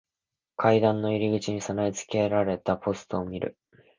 階段の入り口に備え付けられたポストを見る。